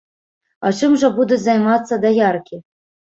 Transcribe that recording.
А чым жа будуць займацца даяркі?